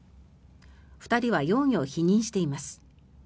２人は容疑を否認しています。